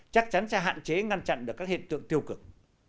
chắc chắn sẽ hạn chế ngăn chặn được các hiện tượng tiêu cực